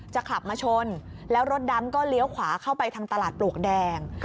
ขับมาชนแล้วรถดำก็เลี้ยวขวาเข้าไปทางตลาดปลวกแดง